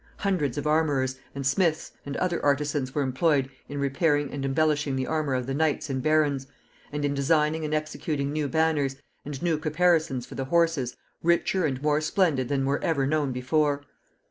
Hundreds of armorers, and smiths, and other artisans were employed in repairing and embellishing the armor of the knights and barons, and in designing and executing new banners, and new caparisons for the horses, richer and more splendid than were ever known before.